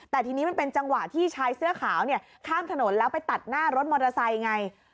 แต่ทีนี้มันเป็นจังหวะที่ชายเสื้อขาวเนี่ยข้ามถนนแล้วไปตัดหน้ารถมอเตอร์ไซค์ไง